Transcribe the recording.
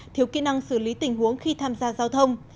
thiếu kỹ năng xử lý tình huống khi tham gia giao thông